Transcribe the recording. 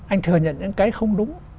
anh thừa nhận những cái không đúng